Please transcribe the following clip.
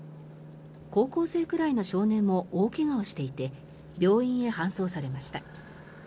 高校生くらいの少年も大怪我をしていて病院へ搬送されました。